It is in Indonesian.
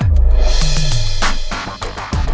halo selamat malam om